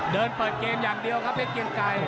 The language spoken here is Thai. เดินเปิดเกมอย่างเดียวครับเพชรเกียงไกร